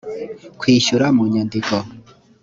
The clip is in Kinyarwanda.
kwishyura mu nyandiko